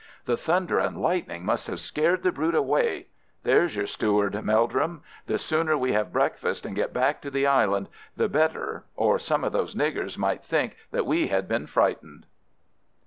"The thunder and lightning must have scared the brute away. There's your steward, Meldrum. The sooner we have breakfast and get back to the island the better, or some of those niggers might think that we had been frightened."